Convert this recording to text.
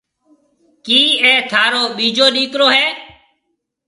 ڪِي اَي ٿارو ٻيجو ڏيڪرو هيَ؟